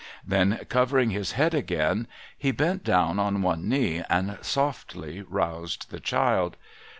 Then, covering his head again, he bent down on one knee, and softly roused the child.